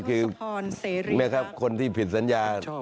ก็คือคนที่ผิดสัญญา